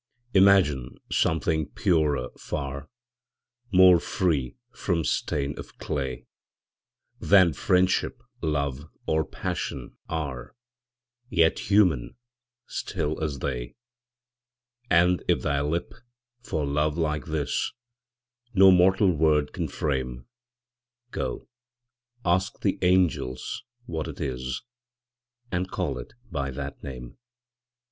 Imagine something purer far, More free from stain of clay Than Friendship, Love, or Passion are, Yet human, still as they: And if thy lip, for love like this, No mortal word can frame, Go, ask of angels what it is, And call it by that name!